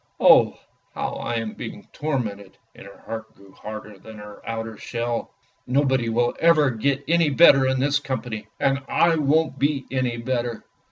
Oh, how I am being tormented! " And her heart grew harder than her outer shell. "Nobody will ever get any better in this company! and I won't be any better.